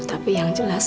tapi yang jelas